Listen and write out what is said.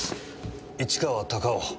「市川隆夫」